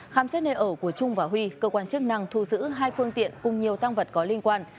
khám xét nơi ở của trung và huy cơ quan chức năng thu giữ hai phương tiện cùng nhiều tăng vật có liên quan